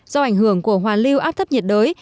do ảnh hưởng của hoàn lưu áp thấp nhiệt đới